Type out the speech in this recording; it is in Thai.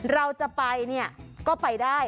เราจะไปเนี่ยก็ไปได้